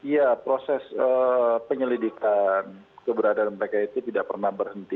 ya proses penyelidikan keberadaan mereka itu tidak pernah berhenti